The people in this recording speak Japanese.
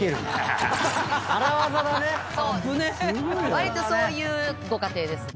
わりとそういうご家庭ですね。